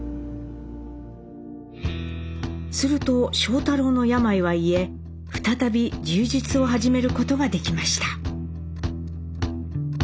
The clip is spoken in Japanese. すると庄太郎の病は癒え再び柔術を始めることができました。